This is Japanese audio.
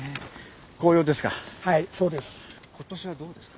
紅葉ですか？